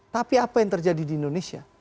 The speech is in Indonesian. tapi apa yang terjadi di indonesia